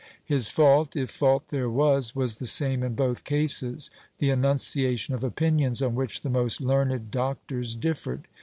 His fault, if fault there was, was the same in both cases — the enunciation of opinions on which the most learned doctors differed.